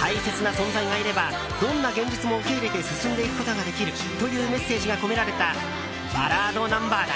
大切な存在がいればどんな現実も受け入れて進んでいくことができるというメッセージが込められたバラードナンバーだ。